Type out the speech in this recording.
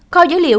kho dữ liệu